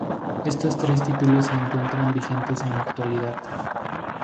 Estos tres títulos se encuentran vigentes en la actualidad.